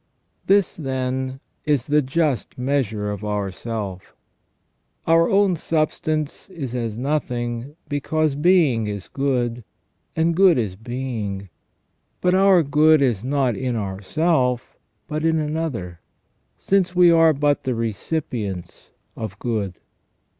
This, then, is the just measure of ourself. Our own substance is as nothing, because being is good, and good is being, but our good is not in ourself but in another, since we are but the recipi ents of good.